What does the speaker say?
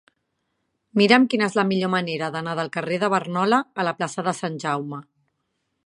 Mira'm quina és la millor manera d'anar del carrer de Barnola a la plaça de Sant Jaume.